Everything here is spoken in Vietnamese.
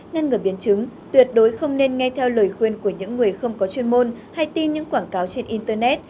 ngăn ngừa biến chứng tuyệt đối không nên nghe theo lời khuyên của những người không có chuyên môn hay tin những quảng cáo trên internet